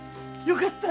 よかった。